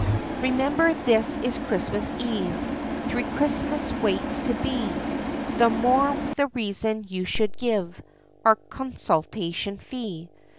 Remember this is Christmas eve, Three Chrismas waits we be, The more the reason you should give, Our consultation fee.